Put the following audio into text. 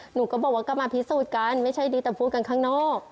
หนูก็บอกว่าก็มาพิสูจน์กันไม่ใช่ดีแต่พูดกันข้างนอก